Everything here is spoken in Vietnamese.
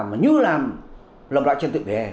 mà như làm lòng đoạn trên tựa về